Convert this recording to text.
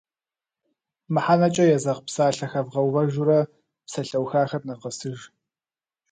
Мыхьэнэкӏэ езэгъ псалъэ хэвгъэувэжурэ псалъэухахэр нэвгъэсыж.